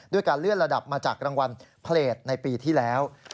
การเลื่อนระดับมาจากรางวัลเพลตในปีที่แล้ว